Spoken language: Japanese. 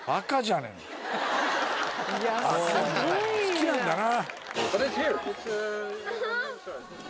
好きなんだな。